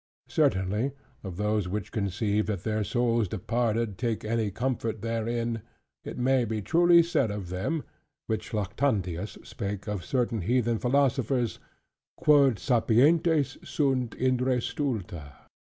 Certainly, of those which conceive that their souls departed take any comfort therein, it may be truly said of them, which Lactantius spake of certain heathen philosophers, "quod sapientes sunt in re stulta."